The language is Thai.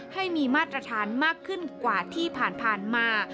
ให้มีมาตรฐานมากขึ้นกว่าที่ผ่านมา